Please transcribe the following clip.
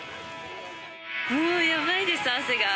もうやばいです汗が。